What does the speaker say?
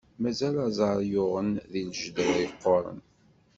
Mazal aẓar yuɣen di lǧedra yeqquṛen.